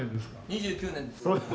２９年です。